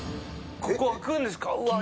ここ開くんですか？